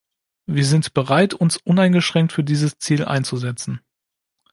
Wir sind bereit, uns uneingeschränkt für dieses Ziel einzusetzen.